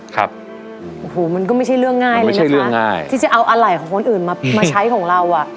ครับมันไม่ใช่เรื่องง่ายที่จะเอาอะไรของคนอื่นมาใช้ของเรา